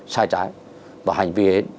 sai trái và hành vi ấy